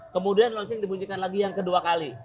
kemudian launching dibunyikan lagi yang kedua kali